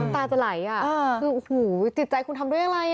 ตาจะไหลอ่ะคือโอ้โหจิตใจคุณทำด้วยอะไร